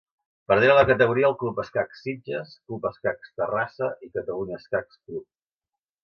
Perderen la categoria el Club Escacs Sitges, Club Escacs Terrassa i Catalunya Escacs Club.